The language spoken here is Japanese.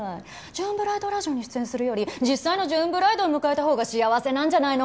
『ジューンブライドラジオ』に出演するより実際のジューンブライドを迎えたほうが幸せなんじゃないの？